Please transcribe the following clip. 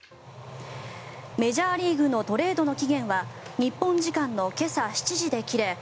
メジャーリーグのトレードの期限は日本時間の今朝７時で切れ